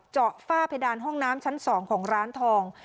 ฝ้าเพดานห้องน้ำชั้น๒ของร้านทอง